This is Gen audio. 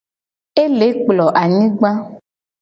Ele kplo anyigba.